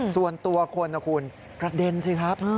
ส่วนตัวคนนะคุณกระเด็นสิครับ